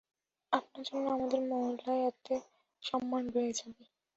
আপনার জন্য আমাদের মহল্লায় এতো সম্মান বেড়ে যাবে।